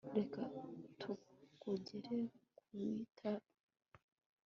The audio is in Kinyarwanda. reka tukugere ku bitaro